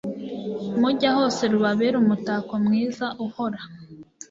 mujya hose, rubabere umutako mwiza uhora